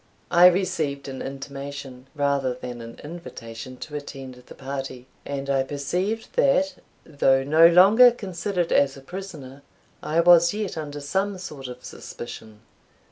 I received an intimation, rather than an invitation, to attend the party; and I perceived, that, though no longer considered as a prisoner, I was yet under some sort of suspicion.